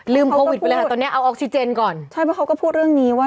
โควิดไปเลยค่ะตอนนี้เอาออกซิเจนก่อนใช่เพราะเขาก็พูดเรื่องนี้ว่า